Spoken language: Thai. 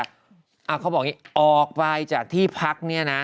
เขาบอกอย่างนี้ออกไปจากที่พัก